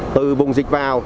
từ vùng dịch vào